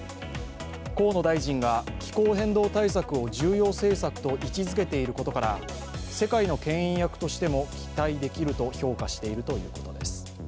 河野大臣が気候変動対策を重要政策として位置づけていることから世界のけん引役としても期待できると評価しているということです。